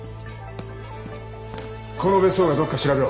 この別荘がどこか調べろ。